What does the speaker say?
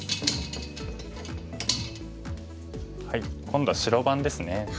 今度は白番ですね。